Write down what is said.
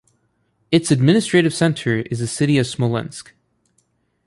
Its administrative center is the city of Smolensk.